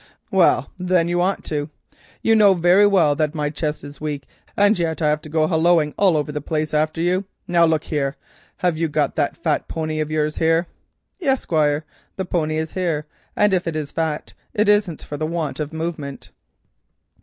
"Well, then, you ought to. You know very well that my chest is weak, and yet I have to go hallooing all over the place after you. Now look here, have you got that fat pony of yours in the yard?" "Yis, Squire, the pony is here, and if so be as it is fat it bean't for the want of movement."